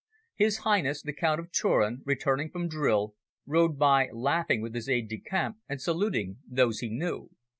His Highness the Count of Turin, returning from drill, rode by laughing with his aide de camp and saluting those he knew.